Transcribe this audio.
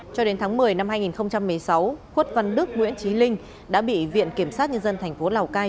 cho đến tháng một mươi năm hai nghìn một mươi sáu khuất văn đức nguyễn trí linh đã bị viện kiểm sát nhân dân tp lào cai